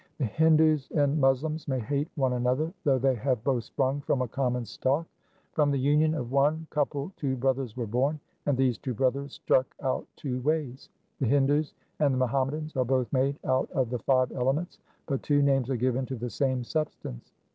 1 The Hindus and Moslems may hate one another, 1 xxxii. 2 xxxiv. 268 THE SIKH RELIGION though they have both sprung from a common stock :— From the union of one couple two brothers were born, and these two brothers struck out two ways. The Hindus and the Muhammadans are both made out of the five elements, but two names are given to the same substance.